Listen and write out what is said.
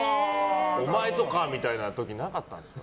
お前とかみたいな時なかったんですか？